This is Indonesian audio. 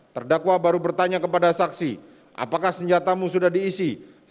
terdakwa baru bertanya kepada saksi apakah senjatamu sudah diisi